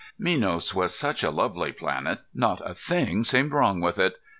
] Minos was such a lovely planet. Not a thing seemed wrong with it.